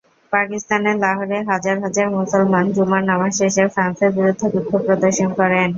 পাকিস্তানের লাহোরে হাজার হাজার মুসলমান জুমার নামাজ শেষে ফ্রান্সের বিরুদ্ধে বিক্ষোভ প্রদর্শন করেন।